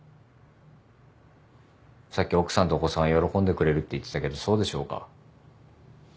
さっき奥さんとお子さんが喜んでくれるって言ってたけどそうでしょうか？